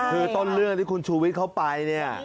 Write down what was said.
คือต้นเรื่องที่คุณชูวิทย์เขาไปเนี่ย